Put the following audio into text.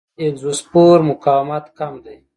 د اګزوسپور مقاومت کم دی.